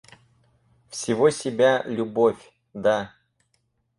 Всего себя, любовь... да.